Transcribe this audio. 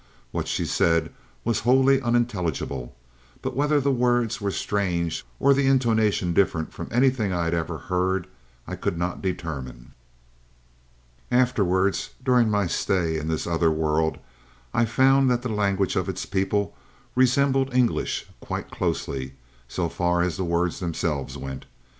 What she said was wholly unintelligible, but whether the words were strange or the intonation different from anything I had ever heard I could not determine. "Afterwards, during my stay in this other world, I found that the language of its people resembled English quite closely, so far as the words themselves went.